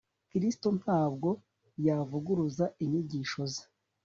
. Kristo ntabwo yavuguruzaga inyigisho ze